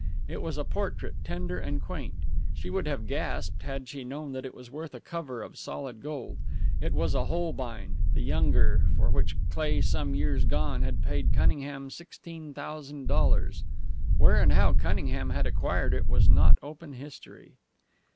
It was a portrait, tender and quaint. She would have gasped had she known that it was worth a cover of solid gold. It was a Holbein, The Younger, for which Cleigh some years gone had paid Cunningham sixteen thousand dollars. Where and how Cunningham had acquired it was not open history.